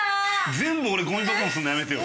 全部俺ゴミ箱にするのやめてよ。